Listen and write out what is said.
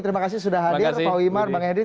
terima kasih sudah hadir pak wimar bang edi